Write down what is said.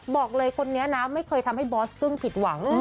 บอกเลยคนนี้นะไม่เคยทำให้บอสกึ้งผิดหวัง